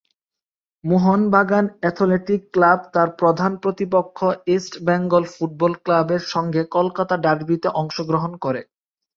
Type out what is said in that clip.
Mohun Bagan athletic club তার প্রধান প্রতিপক্ষ ইস্টবেঙ্গল ফুটবল ক্লাবের সঙ্গে কলকাতা ডার্বিতে অংশগ্রহণ করে।